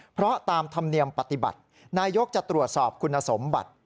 เพราะตามธรรมเนียมปฏิบัตินายกจะตรวจสอบคุณสมบัติ